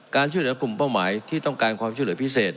ช่วยเหลือกลุ่มเป้าหมายที่ต้องการความช่วยเหลือพิเศษ